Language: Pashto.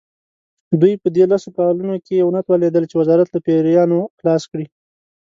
دوی په دې لسو کالو کې ونه توانېدل چې وزارت له پیریانو خلاص کړي.